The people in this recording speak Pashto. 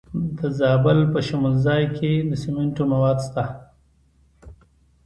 د زابل په شمولزای کې د سمنټو مواد شته.